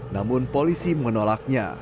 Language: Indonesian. namun polisi menolaknya